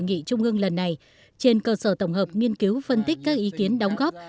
hội nghị trung ương lần này trên cơ sở tổng hợp nghiên cứu phân tích các ý kiến đóng góp